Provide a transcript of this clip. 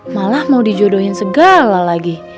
malah mau dijodohin segala lagi